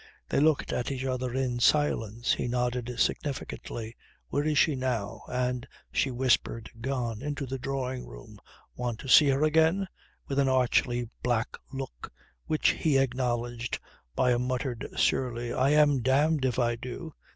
They looked at each other in silence. He nodded significantly: "Where is she now?" and she whispered "Gone into the drawing room. Want to see her again?" with an archly black look which he acknowledged by a muttered, surly: "I am damned if I do.